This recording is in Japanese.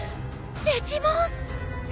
デジモン！？